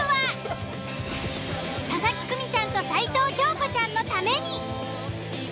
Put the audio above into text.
佐々木久美ちゃんと齊藤京子ちゃんのために。